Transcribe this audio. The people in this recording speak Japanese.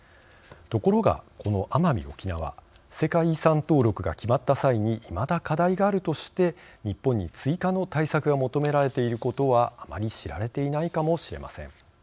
ところが、この奄美・沖縄世界遺産登録が決まった際にいまだ課題があるとして日本に追加の対策が求められていることはあまり知られていないかもしれません。